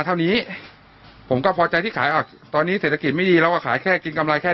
เท่านี้ผมก็พอใจที่ขายอ่ะตอนนี้เศรษฐกิจไม่ดีเราก็ขายแค่กินกำไรแค่